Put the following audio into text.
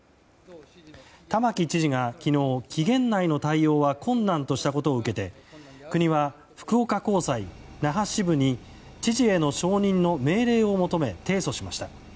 玉城知事が昨日、期限内の対応は困難としたことを受けて国は、福岡高裁那覇支部に知事への承認の命令を求め提訴しました。